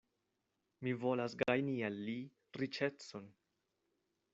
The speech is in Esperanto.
Mi volas gajni al li riĉecon.